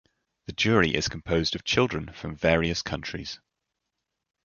The jury is composed of children from various countries.